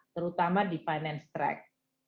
terutama di finance track